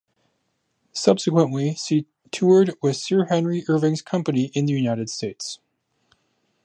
Subsequently she toured with Sir Henry Irving's Company in the United States.